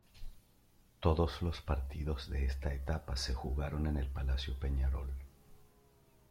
Todos los partidos de esta etapa se jugaron en el Palacio Peñarol.